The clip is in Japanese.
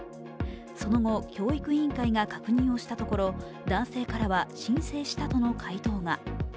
その後、教育委員会が確認をしたところ男性からは申請したとの回答が。